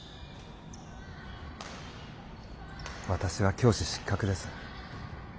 私は教師失格です。